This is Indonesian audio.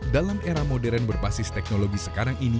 dalam era modern berbasis teknologi sekarang ini